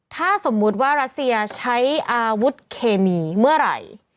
ถ้าสมมุติว่ารัสเซียใช้อาวุธเคมีเมื่อไหร่